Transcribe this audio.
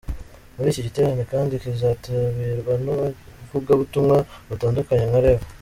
Muri iki giterane kandi kizitabirwa n’ abavugabutumwa batandukanye nka Rev.